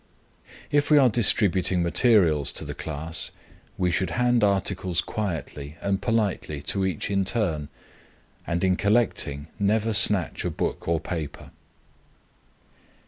If we are distributing materials to the class, we should hand articles quietly and politely to each in turn, and in collecting never snatch a book or paper.